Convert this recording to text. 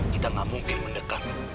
kita gak mungkin mendekat